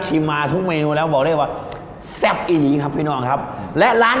ร้านนัวแซ่บแบบอีซาน